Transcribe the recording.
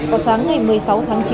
họ sáng ngày một mươi sáu tháng chín